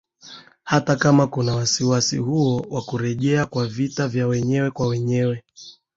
hata kama kuna wasiwasi huo wa kurejea kwa vita vya wenyewe kwa wenyewe